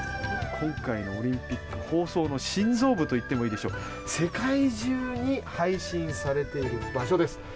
今回の放送の心臓部といってもいいでしょう、世界中に配信されている場所です。